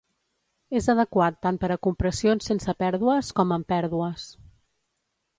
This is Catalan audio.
És adequat tant per a compressions sense pèrdues com amb pèrdues.